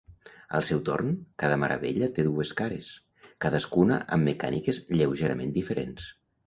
Al seu torn, cada meravella té dues cares, cadascuna amb mecàniques lleugerament diferents.